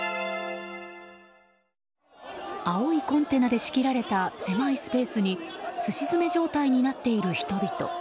青いコンテナで仕切られた狭いスペースにすし詰め状態になっている人々。